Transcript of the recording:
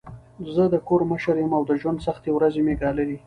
زه د کور مشر یم او د ژوند سختې ورځي مې ګاللي.